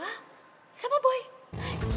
sampai tersersil lagi buat gue